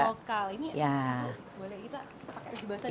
musangking lokal ini ya boleh kita pakai di basah di sini